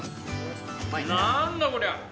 何だこりゃ！